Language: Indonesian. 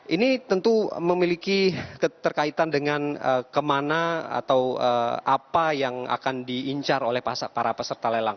ini tentu memiliki keterkaitan dengan kemana atau apa yang akan diincar oleh para peserta lelang